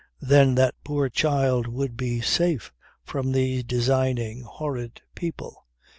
Then that poor child would be safe from these designing, horrid people.